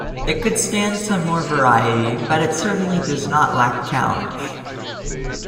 It could stand some more variety, but it certainly does not lack challenge.